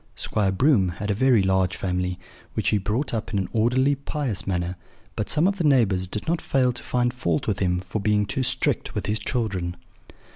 Squire Broom had a very large family, which he brought up in an orderly, pious manner; but some of the neighbours did not fail to find fault with him for being too strict with his children.